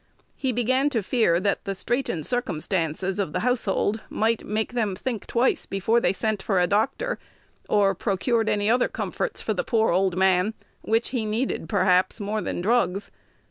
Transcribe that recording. He began to fear that the straitened circumstances of the household might make them think twice before they sent for a doctor, or procured other comforts for the poor old man, which he needed, perhaps, more than drugs.